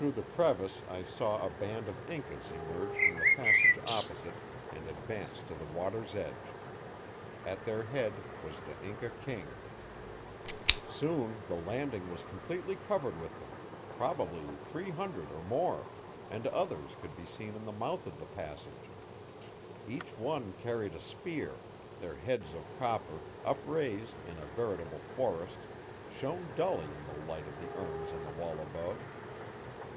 Through the crevice I saw a band of Incas emerge from the passage opposite and advance to the water's edge. At their head was the Inca king. Soon the landing was completely covered with them probably three hundred or more and others could be seen in the mouth of the passage. Each one carried a spear; their heads of copper, upraised in a veritable forest, shone dully in the light of the urns on the wall above.